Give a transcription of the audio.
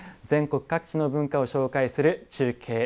全国各地の文化を紹介する「中継！